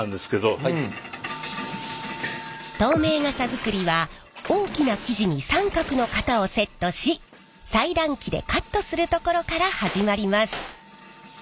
透明傘作りは大きな生地に三角の型をセットし裁断機でカットするところから始まります。